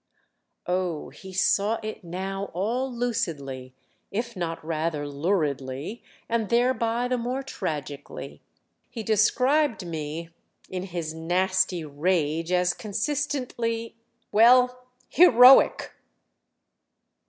Oh he saw it now all lucidly—if not rather luridly—and thereby the more tragically. "He described me in his nasty rage as consistently—well, heroic!"